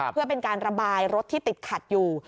เพื่อเป็นการระบายรถที่ติดขัดอยู่